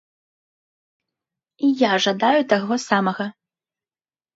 І я жадаю таго самага.